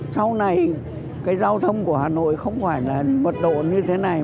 sau này cái giao thông của hà nội không phải là mật độ như thế này